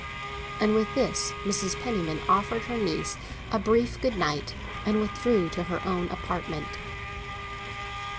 And with this, Mrs. Penniman offered her niece a brief good night, and withdrew to her own apartment.